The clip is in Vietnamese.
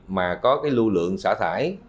mà có lưu lượng xả thải